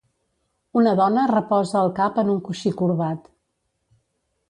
Una dona reposa el cap en un coixí corbat.